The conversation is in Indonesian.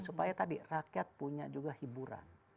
supaya tadi rakyat punya juga hiburan